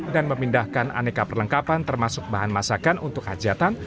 dan memindahkan aneka perlengkapan termasuk bahan masakan untuk hajatan